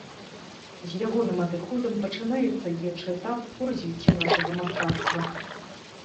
З ягоным адыходам пачынаецца іншы этап у развіцці нашага мастацтва.